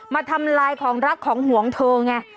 ทำลายของรักของห่วงเธอไง